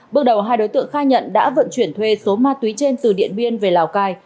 bước đầu hai đối tượng khai nhận đã vận chuyển thuê số ma túy trên từ điện biên về lào cai